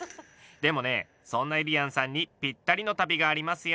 でもねそんなゆりやんさんにぴったりの旅がありますよ。